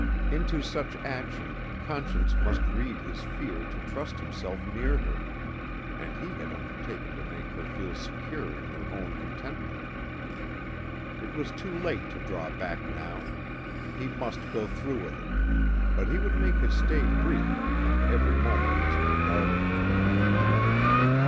Into such action Conscience must read his fear to trust himself near her and he had undertaken to make her feel secure in her own contentment. It was too late to draw back now. He must go through with it but he would make his stay brief and every moment must be guarded.